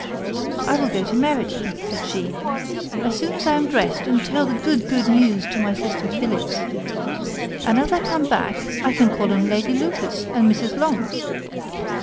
"I will go to Meryton," said she, "as soon as I am dressed, and tell the good, good news to my sister Philips. And as I come back, I can call on Lady Lucas and Mrs. Long.